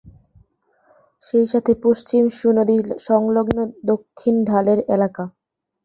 সেই সাথে পশ্চিম সু নদী সংলগ্ন দক্ষিণ ঢালের এলাকা।